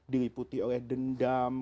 diliputi oleh dendam